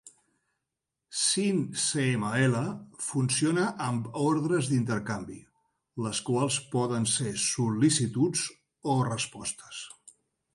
Syncml funciona amb ordres d'intercanvi, les quals poden ser sol·licituds o respostes.